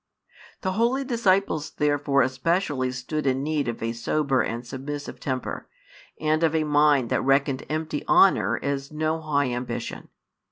The holy disciples therefore especially stood in need of a sober and submissive temper, and of a mind that reckoned empty honour as no high ambition.